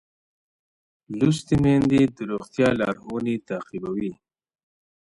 لوستې میندې د روغتیا لارښوونې تعقیبوي.